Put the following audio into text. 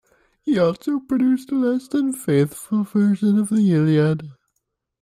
He also produced a less-than-faithful version of the "Iliad".